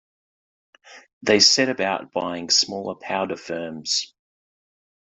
They set about buying smaller powder firms.